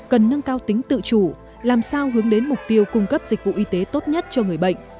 cần nâng cao tính tự chủ làm sao hướng đến mục tiêu cung cấp dịch vụ y tế tốt nhất cho người bệnh